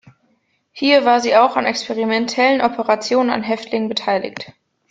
Hier war sie auch an experimentellen Operationen an Häftlingen beteiligt.